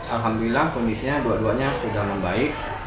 alhamdulillah kondisinya dua duanya sudah membaik